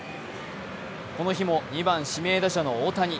この日も２番・指名打者の大谷。